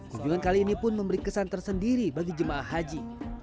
kunjungan kali ini pun memberi kesan tersendiri bagi jemaah haji